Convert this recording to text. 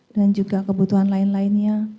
dan juga kebutuhan lain lainnya